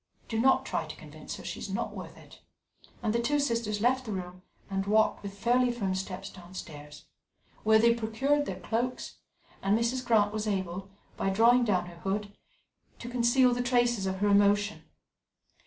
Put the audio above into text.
"Do not try to convince her. She is not worth it," and the two sisters left the room and walked with fairly firm steps downstairs, where they procured their cloaks, and Mrs. Grant was able, by drawing down her hood, to conceal the traces of her emotion.